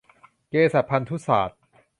เภสัชพันธุศาสตร์